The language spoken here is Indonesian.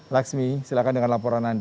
laksmi silakan dengan laporan anda